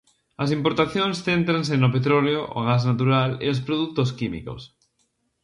As importacións céntranse no petróleo, o gas natural e os produtos químicos.